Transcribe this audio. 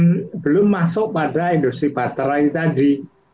karena baru masuk pada industri baterai tadi